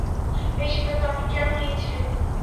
এই সিদ্ধান্ত আপনি কেন নিয়েছিলেন?